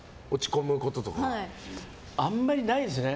あんまりないですね。